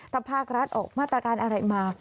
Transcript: ถ้าภาครัฐออกมาตรการอะไรมา